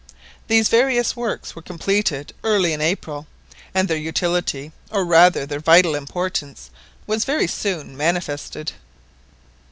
These various works were completed early in April, and their utility, or rather their vital importance, was very soon manifested.